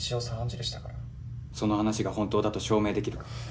茶飯事でしたからその話が本当だと証明できるか？